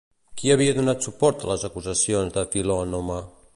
Qui havia donat suport a les acusacions de Filònome?